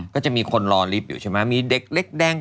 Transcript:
ก็จะมีคนรอลิฟต์อยู่ใช่ไหมมีเด็กเล็กแดง